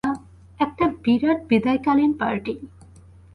একটা বিরাট বিদায়কালীন পার্টি।